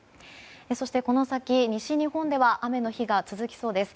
そしてこの先、西日本では雨の日が続きそうです。